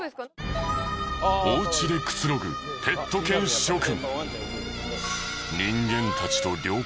おうちでくつろぐペット犬諸君。